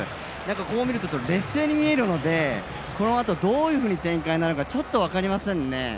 こう見ると劣勢に見えるので、このあとどういう展開になるのかちょっと分かりませんね。